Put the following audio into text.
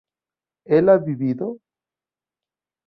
¿él ha vivido?